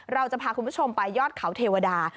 เราจะพาคุณผู้ชมไปยอดเขาเทวดา